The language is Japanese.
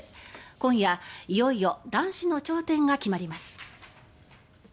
今夜、いよいよ男子の頂点が決まります。